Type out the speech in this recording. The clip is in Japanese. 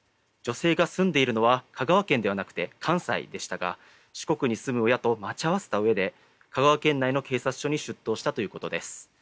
女性が住んでいるのは香川県ではなくて関西でしたが四国に住む親と待ち合わせたうえで香川県内の警察署に出頭したということです。